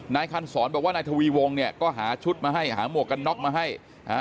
นายคันศรบอกว่านายทวีวงเนี่ยก็หาชุดมาให้หาหมวกกันน็อกมาให้อ่า